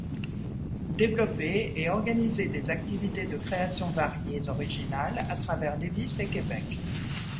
Développer et organiser des activités de créations variées originales à travers Lévis et Québec.